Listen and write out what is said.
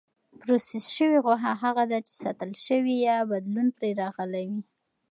پروسس شوې غوښه هغه ده چې ساتل شوې یا بدلون پرې راغلی وي.